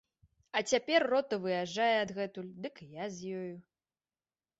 А цяпер рота выязджае адгэтуль, дык і я з ёю.